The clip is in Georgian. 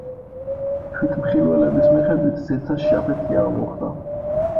თვითმხილველების მიხედვით ზეცაში აფეთქება მოხდა.